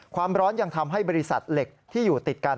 ความร้อนยังทำให้บริษัทเหล็กที่อยู่ติดกัน